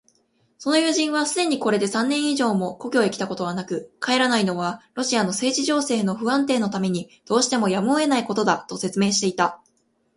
その友人はすでにこれで三年以上も故郷へきたことはなく、帰らないのはロシアの政治情勢の不安定のためにどうしてもやむをえぬことだ、と説明していた。